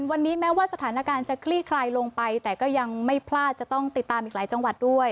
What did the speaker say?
วันนี้แม้ว่าสถานการณ์จะคลี่คลายลงไปแต่ก็ยังไม่พลาดจะต้องติดตามอีกหลายจังหวัดด้วย